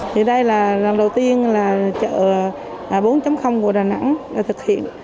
thì đây là lần đầu tiên là chợ bốn của đà nẵng thực hiện